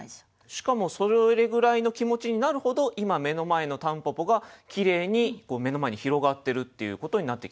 しかもそれぐらいの気持ちになるほど今目の前の蒲公英がきれいに目の前に広がってるっていうことになってきますよね。